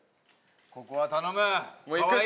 ここは頼む河合！